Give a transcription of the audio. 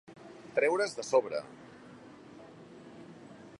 Treure's de sobre.